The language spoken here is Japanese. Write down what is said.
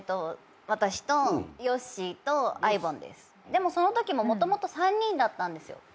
でもそのときももともと３人だったんですよ。